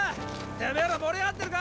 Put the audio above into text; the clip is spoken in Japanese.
てめーら盛り上がってるか！